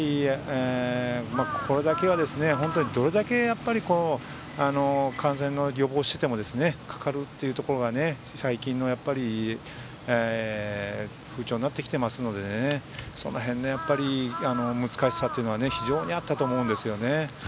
これだけはどれだけ感染を予防してもかかるというところが最近の風潮になってきていますのでその辺、難しさというのは非常にあったと思うんですよね。